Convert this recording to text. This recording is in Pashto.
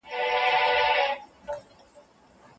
دا علم انسان ته نوي او رغنده فکرونه ورکوي.